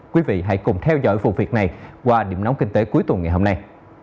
quý vị hãy cùng theo dõi vụ việc này qua điểm nóng kinh tế cuối tuần ngày hôm nay